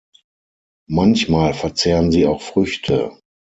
Manchmal verzehren sie auch Früchte.